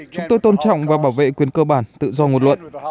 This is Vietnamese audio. chúng tôi tôn trọng và bảo vệ quyền cơ bản tự do ngôn luận